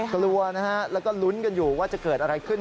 กลัวนะฮะแล้วก็ลุ้นกันอยู่ว่าจะเกิดอะไรขึ้น